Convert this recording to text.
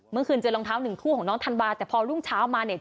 เมื่อคืนเจอรองเท้าหนึ่งคู่ของน้องธันวาแต่พอรุ่งเช้ามาเนี่ย